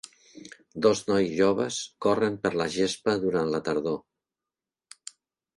Dos nois joves corren per la gespa durant la tardor.